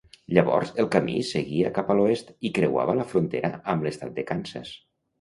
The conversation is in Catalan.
Llavors el camí seguia cap a l'oest i creuava la frontera amb l'estat de Kansas.